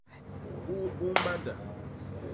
U u mbanda.